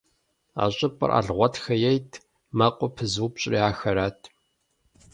А щӏыпӏэр Алгъуэтхэ ейт, мэкъур пызыупщӏри ахэрат.